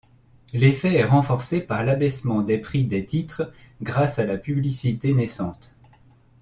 L'effet est renforcé par l'abaissement du prix des titres grâce à la publicité naissante.